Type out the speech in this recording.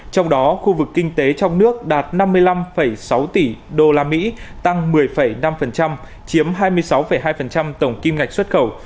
trong đó khu vực kinh tế trong nước đạt năm mươi năm sáu tỷ usd tăng một mươi năm chiếm hai mươi sáu hai tổng kim ngạch xuất khẩu